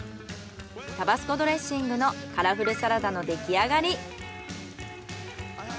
タバスコドレッシングのカラフルサラダのできあがり。